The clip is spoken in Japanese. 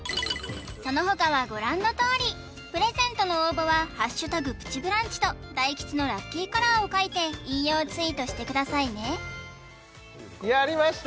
そのほかはご覧のとおりプレゼントの応募は「＃プチブランチ」と大吉のラッキーカラーを書いて引用ツイートしてくださいねやりました！